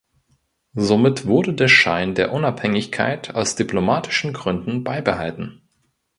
Somit wurde der Schein der Unabhängigkeit aus diplomatischen Gründen beibehalten.